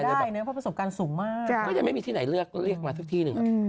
ประสบการณ์สูงมากจ้ะก็ยังไม่มีที่ไหนเลือกเรียกมาทุกที่หนึ่งอืม